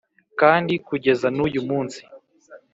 kandi kugeza n’uyu munsi